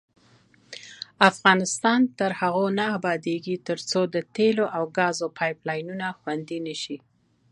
افغانستان تر هغو نه ابادیږي، ترڅو د تیلو او ګازو پایپ لاینونه خوندي نشي.